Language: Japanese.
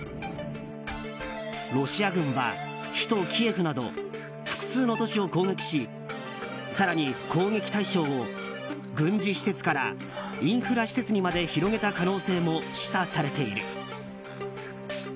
ロシア軍は首都キエフなど複数の都市を攻撃し更に攻撃対象を、軍事施設からインフラ施設にまで広げた可能性も示唆されている。